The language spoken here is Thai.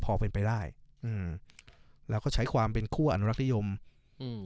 พอเป็นไปได้อืมแล้วก็ใช้ความเป็นคู่อนุรักษ์นิยมอืม